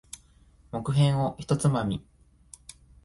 木片を一つまみ。